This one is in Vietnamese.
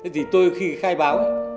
thì tôi khi khai báo